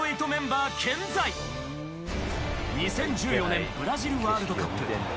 ２０１４年ブラジルワールドカップ。